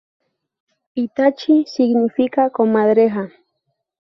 Itachi significa comadreja.